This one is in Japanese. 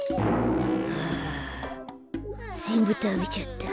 あぜんぶたべちゃった。